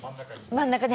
真ん中に。